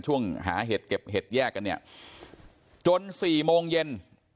ช่วงหาเห็ดเก็บเห็ดแยกกันเนี่ยจน๔โมงเย็น